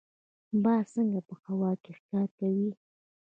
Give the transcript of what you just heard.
باز څنګه په هوا کې ښکار کوي؟